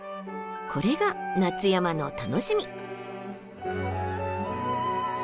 これが夏山の楽しみ！